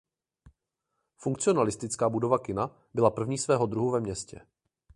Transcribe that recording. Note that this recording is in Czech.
Funkcionalistická budova kina byla první svého druhu ve městě.